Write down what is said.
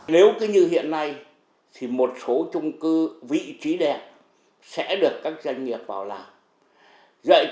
nếu như hiện nay một số trung cư vị trí đẹp sẽ được các doanh nghiệp bảo là